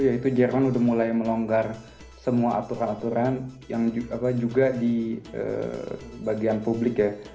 yaitu jerman sudah mulai melonggar semua aturan aturan yang juga di bagian publik ya